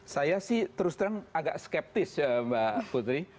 saya sih terus terang agak skeptis ya mbak putri